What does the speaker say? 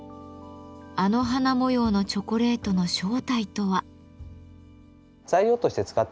あの花模様のチョコレートの正体とは？